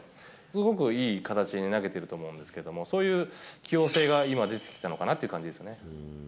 すごくいい形に投げてると思うんですけれども、そういう器用性が今、出てきたのかなという感じですね。